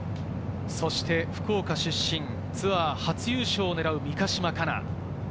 福岡出身、ツアー初優勝を狙う三ヶ島かな。